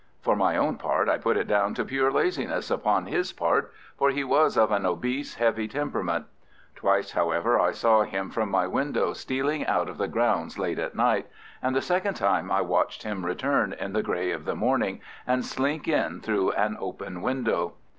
For my own part I put it down to pure laziness upon his part, for he was of an obese, heavy temperament. Twice, however, I saw him from my window stealing out of the grounds late at night, and the second time I watched him return in the grey of the morning and slink in through an open window.